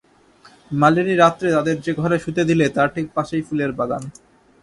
মালিনী রাত্রে তাদের যে ঘরে শুতে দিলে, তার ঠিক পাশেই ফুলের বাগান।